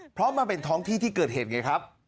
เพราะมันเป็นท้องที่ที่เกิดเหตุไงครับ